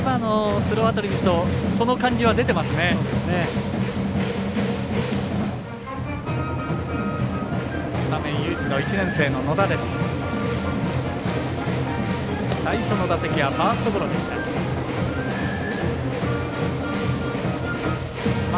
スタメン唯一の１年生の野田です。